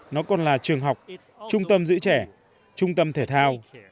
nó còn là trường học trung tâm giữ trẻ trung tâm thể thao